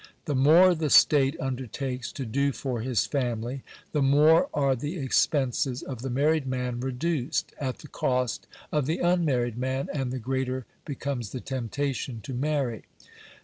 The more the state undertakes to do for his family, the more are the expenses of the married man reduced, at the cost of the unmarried man, and the greater be comes the temptation to marry.